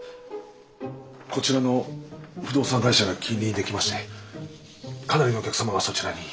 こちらの不動産会社が近隣にできましてかなりのお客様がそちらに。